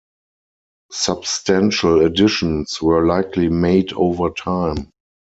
Substantial additions were likely made over time.